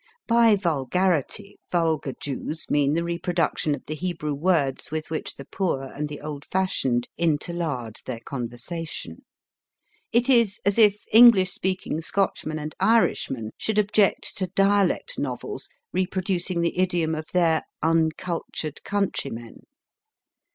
By vulgarity vulgar Jews mean the reproduction of the Hebrew words with which the poor and the old fashioned interlard their conversation. It is as if English speaking Scotchmen and Irishmen should object to dialect novels reproducing the idiom of their uncultured countrymen.